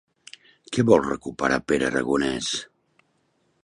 Què vol recuperar Pere Aragonès?